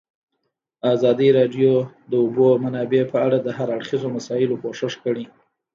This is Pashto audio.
ازادي راډیو د د اوبو منابع په اړه د هر اړخیزو مسایلو پوښښ کړی.